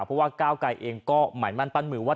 เพราะว่าก้าวไกรเองก็หมายมั่นปั้นมือว่า